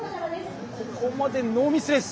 ここまでノーミスです。